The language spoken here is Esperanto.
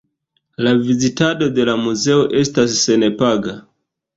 La vizitado de la muzeo estas senpaga.